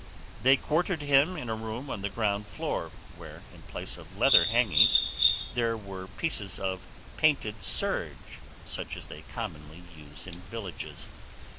They quartered him in a room on the ground floor, where in place of leather hangings there were pieces of painted serge such as they commonly use in villages.